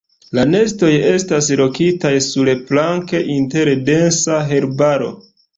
La nestoj estas lokitaj surplanke inter densa herbaro.